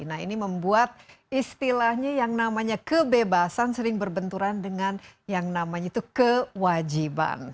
nah ini membuat istilahnya yang namanya kebebasan sering berbenturan dengan yang namanya itu kewajiban